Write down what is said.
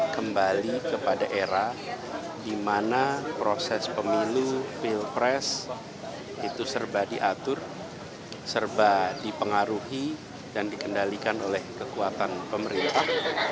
kembali kepada era di mana proses pemilu pilpres itu serba diatur serba dipengaruhi dan dikendalikan oleh kekuatan pemerintah